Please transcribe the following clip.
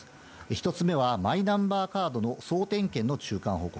１つ目はマイナンバーカードの総点検の中間報告。